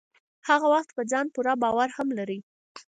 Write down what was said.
هغه وخت په ځان پوره باور هم لرئ.